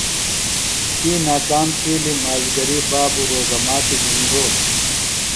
تی ناکام تِھیلیۡ۔ مازِگری بابوۡ روزہ ماتی گِھنیۡ یھولوۡ۔